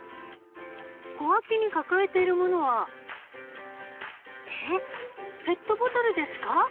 小脇に抱えている物はえっペットボトルですか